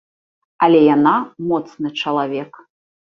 Але яна моцны чалавек.